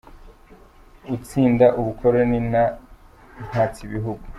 Utsinda ubukoroni na mpatsibihugu